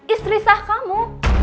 istri sah kamu